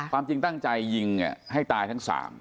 ความจริงตั้งใจยิงให้ตายทั้ง๓